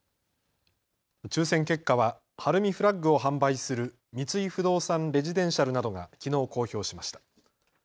抽せん結果は晴海フラッグを販売する三井不動産レジデンシャルなどがきのう公表しました。